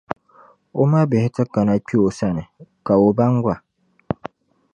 O mabihi ti kana kpe o sani, ka o baŋ ba.